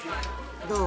どう？